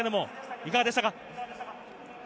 いかがでしたか？